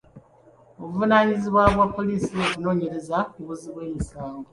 Buvunaanyizibwa bwa poliisi okunoonyereza ku buzzi bw'omusango.